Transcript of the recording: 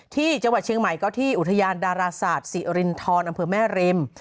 ที่จังหวัดเชียงใหม่ก็ที่อุทยานดาราศาสตร์ศิรินทรอำเภอแม่ริม